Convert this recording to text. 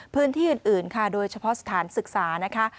พื้นที่อื่นค่ะโดยเฉพาะสถานศึกษานะคะ